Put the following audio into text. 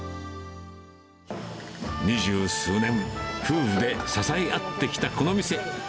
二十数年、夫婦で支え合ってきたこの店。